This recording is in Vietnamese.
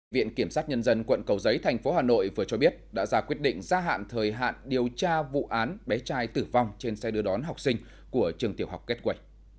viện kiểm sát nhân dân quận cầu giấy thành phố hà nội vừa cho biết đã ra quyết định gia hạn thời hạn điều tra vụ án bé trai tử vong trên xe đưa đón học sinh của trường tiểu học kết quầy